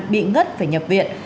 bị ngất phải nhập viện